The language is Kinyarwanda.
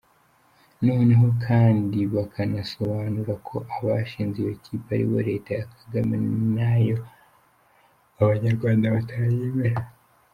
Noneho kandi, bikanasobanura ko abashinze iyo kipe aribo leta ya Kagame, nayo abanyarwanda batayemera.